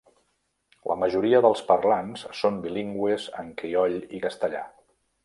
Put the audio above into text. La majoria dels parlants són bilingües en crioll i castellà.